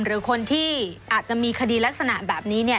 หรือคนที่อาจจะมีคดีลักษณะแบบนี้เนี่ย